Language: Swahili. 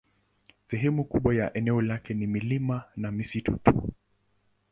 Sehemu kubwa ya eneo lake ni milima na misitu tu.